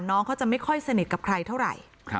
น้องเขาจะไม่ค่อยสนิทกับใครเท่าไหร่